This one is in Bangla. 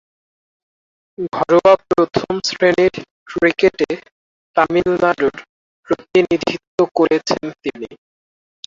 ঘরোয়া প্রথম-শ্রেণীর ক্রিকেটে তামিলনাড়ুর প্রতিনিধিত্ব করেছেন তিনি।